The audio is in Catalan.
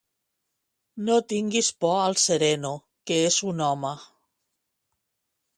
No tingues por al sereno, que és un home.